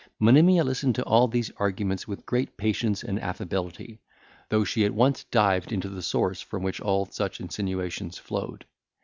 Monimia listened to all these arguments with great patience and affability, though she at once dived into the source from which all such insinuations flowed.